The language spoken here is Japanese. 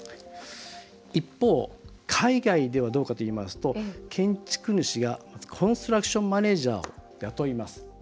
一方海外ではどうかといいますと建築主がコンストラクションマネージャーを雇います。